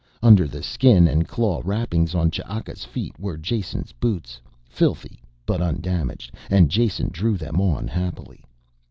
Under the skin and claw wrappings on Ch'aka's feet were Jason's boots, filthy but undamaged, and Jason drew them on happily.